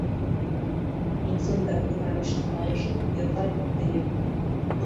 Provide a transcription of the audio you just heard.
Дуҫын да күрмәмешкә һалышып, йырлай, бейеп.